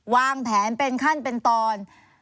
วางแผนเป็นขั้นเป็นตอน